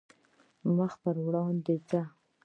مخ پر وړاندې ځه .